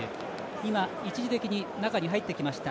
今、一時的に中に入ってきました。